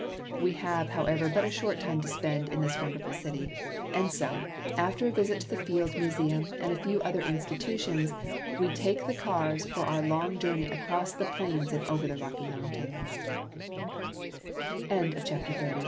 We have, however, but a short time to spend in this wonderful city, and so, after a visit to the Field Museum and a few other institutions, we take the cars for our long journey across the plains and over the Rocky